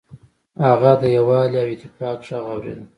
هغه د یووالي او اتفاق غږ اوریده.